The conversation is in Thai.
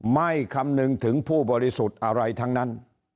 คำนึงถึงผู้บริสุทธิ์อะไรทั้งนั้น